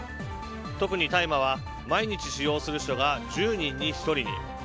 特に大麻は毎日使用する人が１０人に１人に。